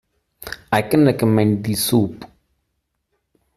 I can recommend the soup.